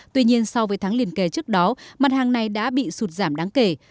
tuy nhiên so với tháng liền kề trước đó mặt hàng này đã bị sụt giảm đáng kể